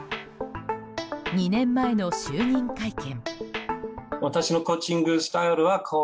２年前の就任会見。